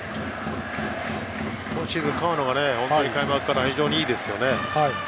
今シーズン、河野が本当に開幕から非常にいいですね。